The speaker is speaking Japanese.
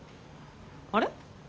あれ？